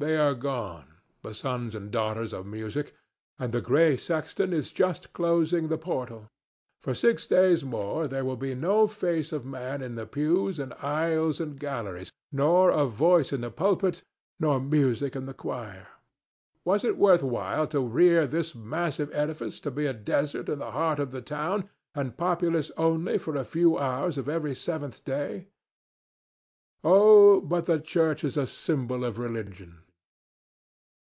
They are gone—the sons and daughters of Music—and the gray sexton is just closing the portal. For six days more there will be no face of man in the pews and aisles and galleries, nor a voice in the pulpit, nor music in the choir. Was it worth while to rear this massive edifice to be a desert in the heart of the town and populous only for a few hours of each seventh day? Oh, but the church is a symbol of religion.